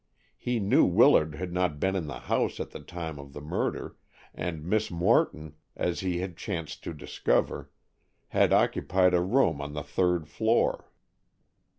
He knew Willard had not been in the house at the time of the murder, and Miss Morton, as he had chanced to discover, had occupied a room on the third floor.